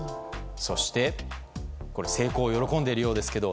そして、これは成功を喜んでいるようですけど